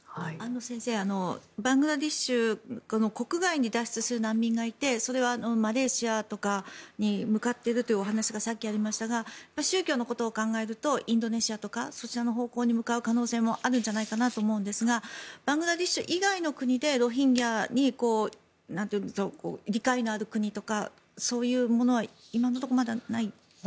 先生、バングラデシュは国外に脱出する難民がいてマレーシアとかに向かっているというお話がさっきありましたが宗教のことを考えるとインドネシアとかそちらの方向に向かう可能性があるんじゃないかなと思いますがバングラデシュ以外の国でロヒンギャに理解のある国とかそういうものは今のところ、まだないんですか？